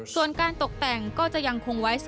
ส่วนการตกแต่งก็จะยังคงไว้